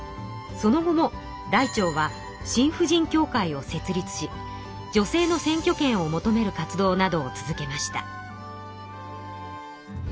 その後もらいてうは新婦人協会を設立し女性の選挙権を求める活動などを続けました。